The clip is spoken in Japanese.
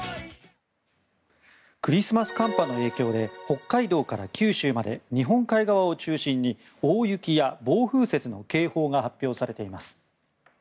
クリスマス寒波の影響で北海道から九州まで日本海側を中心に大雪や暴風雪の警報が発表されています。